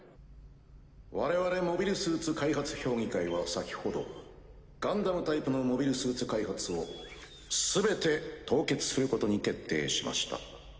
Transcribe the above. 我々モビルスーツ開発評議会は先ほどガンダムタイプのモビルスーツ開発を全て凍結することに決定しました。